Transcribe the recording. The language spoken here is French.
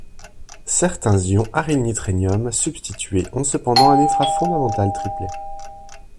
Certains ions arylnitrénium substitués ont cependant un état fondamental triplet.